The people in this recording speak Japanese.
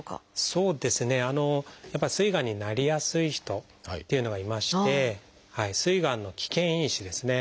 そうですねやっぱりすいがんになりやすい人っていうのがいましてすいがんの危険因子ですね